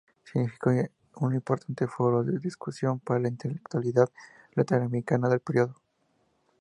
Significó un importante foro de discusión para la intelectualidad latinoamericana del período.